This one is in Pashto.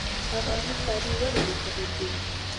افغاني کالي ولې مشهور دي؟